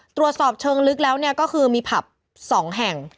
ตรวจสอบเชิงลึกแล้วเนี่ยก็คือมีผับ๒แห่ง